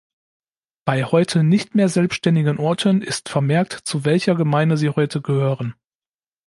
Bei heute nicht mehr selbständigen Orten ist vermerkt, zu welcher Gemeinde sie heute gehören.